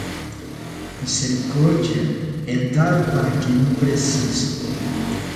Misericórdia é dar para quem precisa